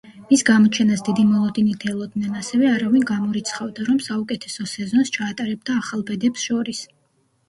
მის გამოჩენას დიდი მოლოდინით ელოდნენ, ასევე არავინ გამორიცხავდა, რომ საუკეთესო სეზონს ჩაატარებდა ახალბედებს შორის.